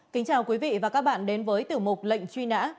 kính chào quý vị và các bạn đến với tiểu mục lệnh truy nã